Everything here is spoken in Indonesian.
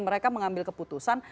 mereka mengambil keputusan